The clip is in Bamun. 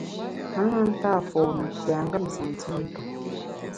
Me na nta fone tiengem santiméta.